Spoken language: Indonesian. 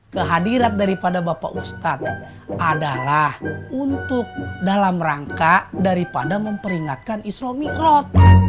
kehadiran daripada bapak ustadz adalah untuk dalam rangka daripada memperingatkan islam mikrot